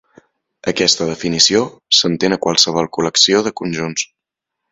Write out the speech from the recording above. Aquesta definició s'estén a qualsevol col·lecció de conjunts.